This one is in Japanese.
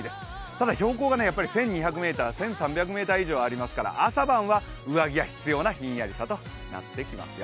ただ標高が１２００ｍ、１３００ｍ以上ありますから朝晩は上着が必要なひんやりさとなってきますよ。